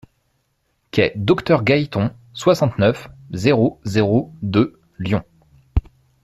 Quai Docteur Gailleton, soixante-neuf, zéro zéro deux Lyon